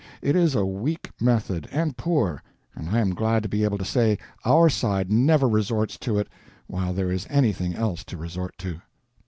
It is a weak method, and poor, and I am glad to be able to say our side never resorts to it while there is anything else to resort to.